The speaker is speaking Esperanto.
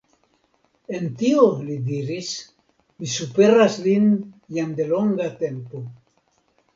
En tio, li diris, mi superas lin jam de longa tempo.